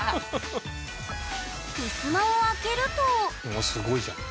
ふすまを開けるとうわすごいじゃん。